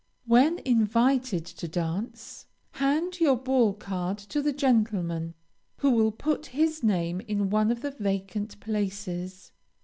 When invited to dance, hand your ball card to the gentleman, who will put his name in one of the vacant places.